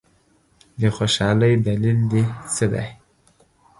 د خوشالۍ دلیل دي څه دی؟